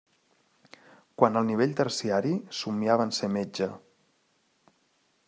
Quant al nivell terciari, somiava en ser Metge.